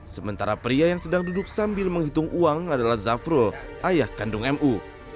sementara pria yang sedang duduk sambil menghitung uang adalah zafrul ayah kandung mu